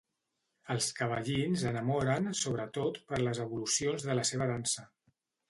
Els cavallins enamoren sobretot per les evolucions de la seva dansa.